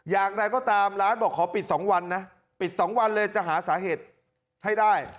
อย่างไรก็ตามร้านบอกขอปิด๒วันนะปิด๒วันเลยจะหาสาเหตุให้ได้